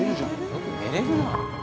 よく寝れるなあ。